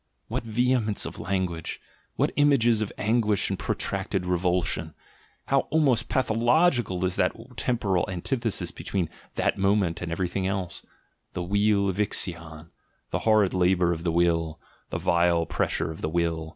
What vehemence of language! What images of anguish and protracted revulsion! How almost pathological is that temporal antithesis between "that mo ment" and everything else, the "wheel of Ixion," "the hard labour of the will," "the vile pressure of the will."